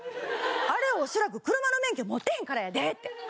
あれは恐らく車の免許持ってへんからやでって。